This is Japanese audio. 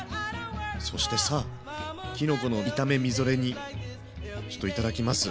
そしてさきのこの炒めみぞれ煮ちょっといただきます。